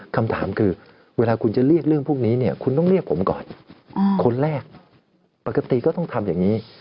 คำถามคือเวลาคุณจะเรียกเรื่องพวกนี้เนี่ยคุณต้องเรียกผมก่อนคนแรกปกติก็ต้องทำอย่างนี้